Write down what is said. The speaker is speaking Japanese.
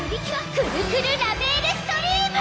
くるくるラメールストリーム！